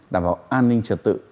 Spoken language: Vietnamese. đảm bảo an ninh trật tự